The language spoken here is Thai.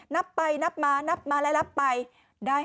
นับไปนับมานับมาแล้วรับไปได้